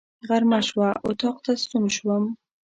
غرمه شوه، اطاق ته ستون شوم.